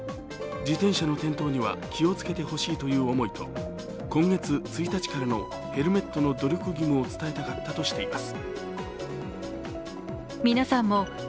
自転車の転倒には気をつけてほしいという思いと今月１日からのヘルメットの努力義務を伝えたかったとしています。